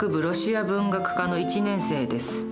ロシア文学科の１年生です。